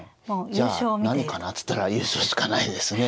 じゃあ何かなっていったら優勝しかないですね。